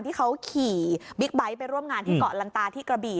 ที่เขาขี่บิ๊กไบท์ไปร่วมงานที่เกาะลันตาที่กระบี่